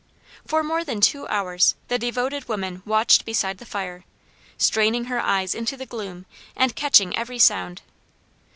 For more than two hours the devoted woman watched beside the fire, straining her eyes into the gloom and catching every sound.